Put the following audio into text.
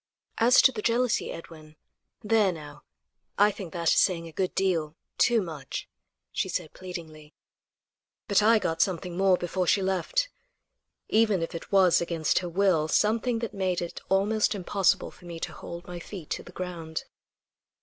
"As to the jealousy, Edwin. There, now; I think that is saying a good deal. Too much," she said pleadingly; but I got something more before she left, even if it was against her will; something that made it almost impossible for me to hold my feet to the ground.